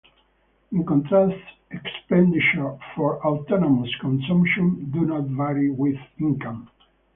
In contrast, expenditures for autonomous consumption do not vary with income.